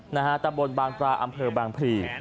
ตำรวจบางปราอำเภอบางพรี